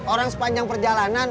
orang sepanjang perjalanan